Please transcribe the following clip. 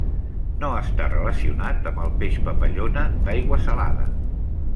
No està relacionat amb el peix papallona d'aigua salada.